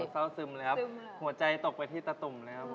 หัวใจตกไปที่ตะตุ่มเลยครับ